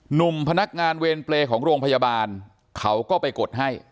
หนุ่มพนักงานเวรเปรย์ของโรงพยาบาลเขาก็ไปกดให้